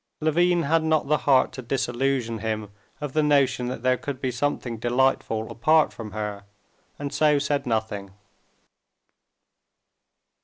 Levin had not the heart to disillusion him of the notion that there could be something delightful apart from her, and so said nothing.